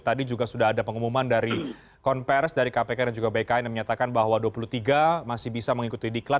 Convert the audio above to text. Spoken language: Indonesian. tadi juga sudah ada pengumuman dari konvers dari kpk dan juga bkn yang menyatakan bahwa dua puluh tiga masih bisa mengikuti diklat